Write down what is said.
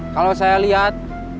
kalau saya lihat